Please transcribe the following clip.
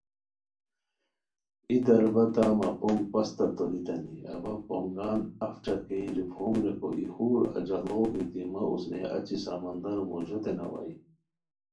ای دربتہ مہ پونگ پستہ توریتانی اوا پونگان اف ݯاکئیے روپھوم ریکو ای خور اجاڑوغ گیتی مہ اوسنئے اچی سمندرو موژوتین اوائے